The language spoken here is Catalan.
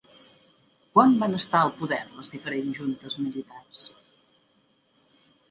Quan van estar al poder les diferents juntes militars?